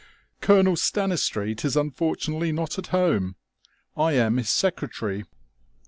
"Colonel Stanistreet is unfortunately not at home. I am his secretary."